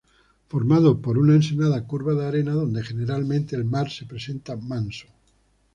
Formado por una ensenada curva de arena, donde generalmente el mar se presenta manso.